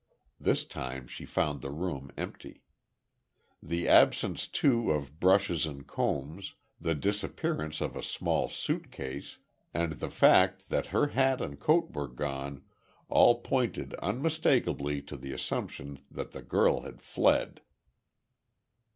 This time she found the room empty. The absence, too, of brushes and combs, the disappearance of a small suitcase, and the fact that her hat and coat were gone all pointed unmistakably to the assumption that the girl had fled.